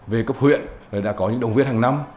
về cấp huyện đã có những đồng viên hàng năm